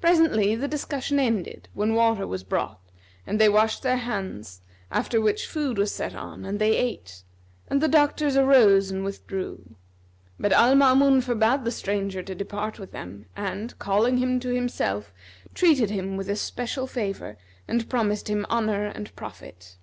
Presently the discussion ended when water was brought and they washed their hands after which food was set on and they ate; and the doctors arose and withdrew; but Al Maamun forbade the stranger to depart with them and, calling him to himself, treated him with especial favour and promised him honour and profit.